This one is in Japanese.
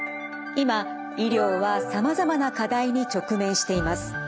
今医療はさまざまな課題に直面しています。